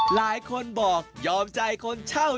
หลายคนบอกยอมใจคนเช่า